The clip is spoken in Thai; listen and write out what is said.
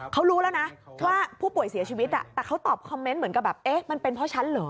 เขารู้แล้วนะว่าผู้ป่วยเสียชีวิตแต่เขาตอบคอมเมนต์เหมือนกับแบบเอ๊ะมันเป็นเพราะฉันเหรอ